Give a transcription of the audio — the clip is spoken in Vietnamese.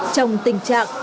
trong tình trạng